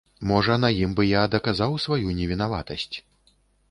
Можа, на ім бы я даказаў сваю невінаватасць.